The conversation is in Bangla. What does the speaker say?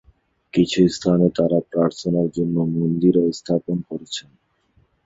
কিছু স্থানে তারা তাদের প্রার্থনার জন্য মন্দিরও স্থাপন করেছেন।